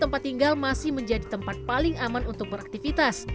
tempat tinggal masih menjadi tempat paling aman untuk beraktivitas